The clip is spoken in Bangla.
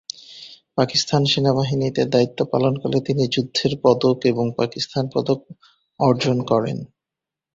পাকিস্তান সেনাবাহিনীতে দায়িত্ব পালনকালে তিনি যুদ্ধের পদক এবং পাকিস্তান পদক অর্জন করেন।